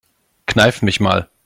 Kneif mich mal.